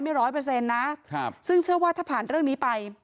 ร้อยเปอร์เซ็นต์นะครับซึ่งเชื่อว่าถ้าผ่านเรื่องนี้ไป